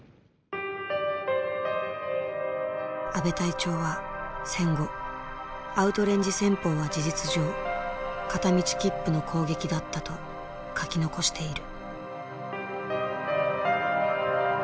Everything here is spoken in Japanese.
阿部隊長は戦後アウトレンジ戦法は事実上片道切符の攻撃だったと書き残している。